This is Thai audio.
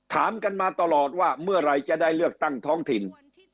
ถามกันมาตลอดว่าเมื่อไหร่จะได้เลือกตั้งท้องถิ่น